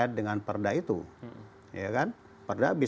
jangan mengganggu orang